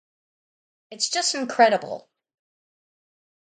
It's just incredible.